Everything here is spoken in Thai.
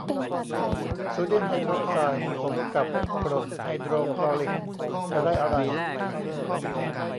โซเดียมไฮดรอกไซด์ผสมกับกรดไฮโดรคลอริก จะได้อะไร